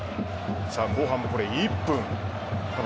後半も１分。